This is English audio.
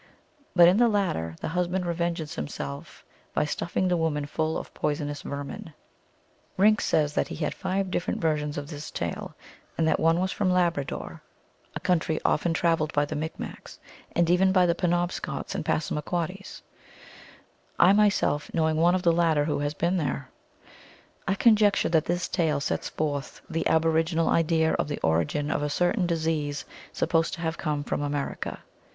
But in the latter the husband revenges himself by stuffing the woman full of poisonous vermin. Rink says that he had five different versions of this tale, and that one was from Labrador, a country often traveled EPTP N A^ THE WOMAN AND THE SERPENT AT O SIS, THE SERPENT. 275 by the Micmacs, and even by the Penobscots and Pas samaquoddies ; I myself knowing one of the latter who has been there. I conjecture that this tale sets forth the aboriginal idea of the origin of a certain disease supposed to have come from America.